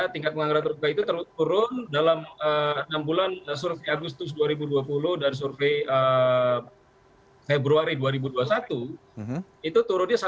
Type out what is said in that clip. tingkat pengangguran terbuka itu turun dalam enam bulan survei agustus dua ribu dua puluh dan survei februari dua ribu dua puluh satu itu turunnya satu